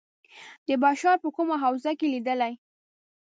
د بشر په کومه حوزه کې لېدلي.